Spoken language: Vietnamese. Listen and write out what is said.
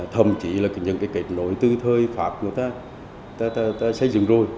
thậm chí là những cái kết nối từ thời pháp người ta xây dựng rồi